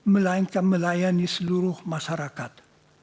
melainkan melayani seluruh masyarakat